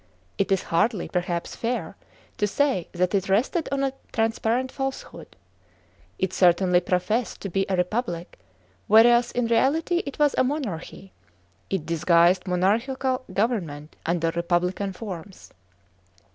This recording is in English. It is hardly, perhaps, fair to say that it rested on a transparent falsehood. It certainly professed to be a republic, whereas in reality it was a monarchy; it disguised monarchical government undor republican forms.